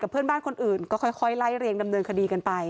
เพื่อนบ้านคนอื่นก็ค่อยไล่เรียงดำเนินคดีกันไป